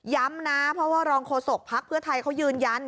ย้ำนะเพราะว่ารองโฆษกภักดิ์เพื่อไทยเขายืนยัน